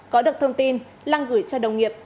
có được thông tin lăng gửi cho đồng nghiệp